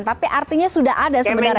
tapi artinya sudah ada sebenarnya